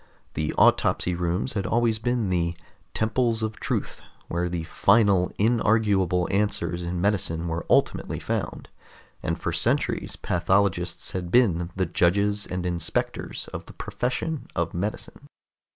The autopsy rooms had always been the "Temples of Truth" where the final, inarguable answers in medicine were ultimately found, and for centuries pathologists had been the judges and inspectors of the profession of medicine.